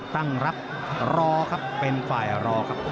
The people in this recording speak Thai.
ตั้งรับรอครับเป็นฝ่ายรอครับ